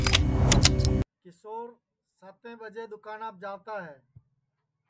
کیشور ساتیں ٻجیں دؔوکاناپ جاتا ہے